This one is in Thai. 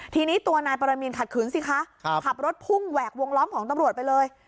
ทีนี้ตัวนายปรมีนขัดขืนสิคะขับรถพุ่งแหวกวงล้อมของตำรวจไปเลย